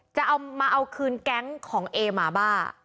จะเอามาเอาคืนแก๊งของเอหมาบ้า